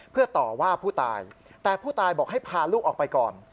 เพื่อต่อว่าผู้ตายแต่ผู้ตายบอกให้พาลูกออกไปก่อน